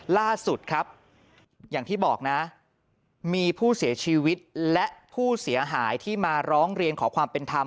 ล่าสุดครับอย่างที่บอกนะมีผู้เสียชีวิตและผู้เสียหายที่มาร้องเรียนขอความเป็นธรรม